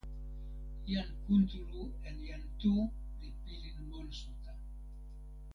jan Kuntuli en jan Tu li pilin monsuta.